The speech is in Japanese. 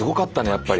やっぱり。